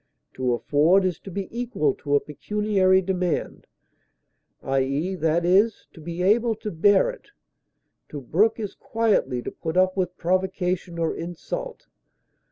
To afford is to be equal to a pecuniary demand, i. e., to be able to bear it. To brook is quietly to put up with provocation or insult.